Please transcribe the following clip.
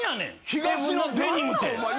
『東野デニム』って。